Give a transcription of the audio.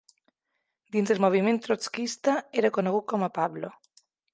Dins el moviment trotskista, era conegut com a Pablo.